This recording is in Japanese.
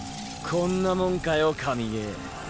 こんなもんかよ神ゲー。